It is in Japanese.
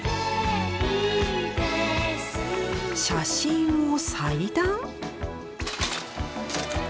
写真を裁断？